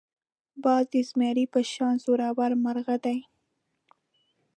باز د زمري په شان زړور مرغه دی